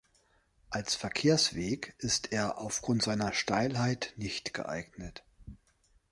Als Verkehrsweg ist er aufgrund seiner Steilheit nicht geeignet.